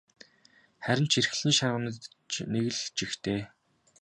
Харин ч эрхлэн шарваганаж нэг л жигтэй.